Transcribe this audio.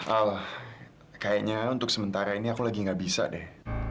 ah kayaknya untuk sementara ini aku lagi gak bisa deh